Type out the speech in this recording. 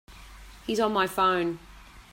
He's on my phone.